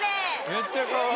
めっちゃかわいい。